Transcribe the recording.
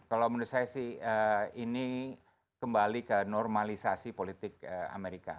kalau menurut saya sih ini kembali ke normalisasi politik amerika